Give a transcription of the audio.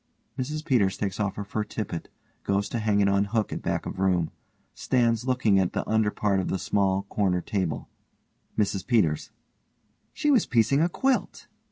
(MRS PETERS _takes off her fur tippet, goes to hang it on hook at back of room, stands looking at the under part of the small corner table_.) MRS PETERS: She was piecing a quilt.